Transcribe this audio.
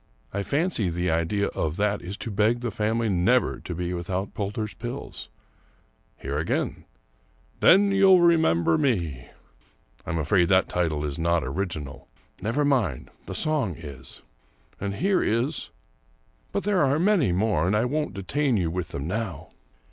I fancy the idea of that is to beg the family never to be without Poulter's Pills. Here again :* Then you'll remember me !' I'm afraid that title is not original; never mind, the song is. And here is — ^but there are many more, and I won't detain you with them now."